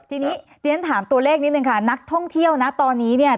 ทีนี้เรียนถามตัวเลขนิดนึงค่ะนักท่องเที่ยวนะตอนนี้เนี่ย